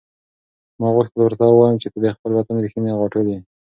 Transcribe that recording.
ما غوښتل ورته ووایم چې ته د خپل وطن رښتینې غاټول یې.